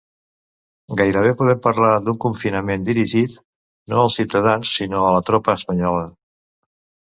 Gairebé podem parlar d'un confinament dirigit, no als ciutadans, sinó a la tropa espanyola.